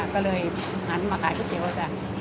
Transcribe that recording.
ก็เลยหันมาขายก๋วยเตี๋ยวแล้วจัน